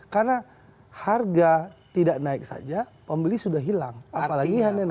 karena harga tidak naik saja pembeli sudah hilang